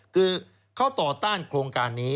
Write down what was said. คือเขาต่อต้านโครงการนี้